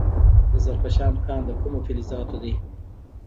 د زرکشان کان د کومو فلزاتو دی؟